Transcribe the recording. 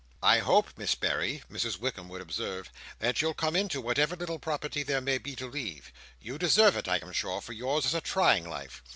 "I hope, Miss Berry," Mrs Wickam would observe, "that you'll come into whatever little property there may be to leave. You deserve it, I am sure, for yours is a trying life.